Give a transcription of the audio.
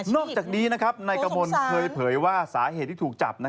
อกจากนี้นายกมลเคยเผยว่าสาเหตุที่ถูกจับ